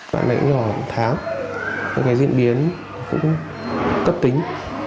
trẻ nhỏ tháo cái diễn biến cũng tấp tính